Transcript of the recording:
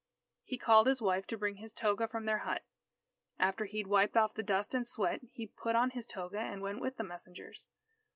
He called his wife to bring his toga from their hut. After he had wiped off the dust and sweat, he put on his toga and went with the messengers.